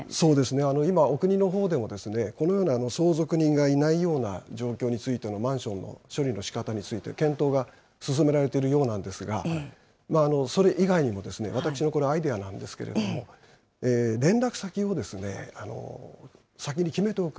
そうですね、今、お国のほうでも、このような相続人がいないような状況についてのマンションの処理のしかたについて検討が進められているようなんですが、それ以外にもですね、私のこれ、アイデアなんですけれども、連絡先を先に決めておく。